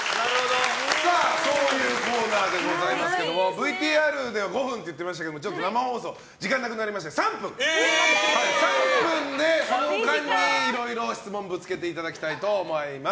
そういうコーナーでございますけどＶＴＲでは５分って言ってましたけど生放送で時間がなくなりまして３分でいろいろ、質問ぶつけていただきたいと思います。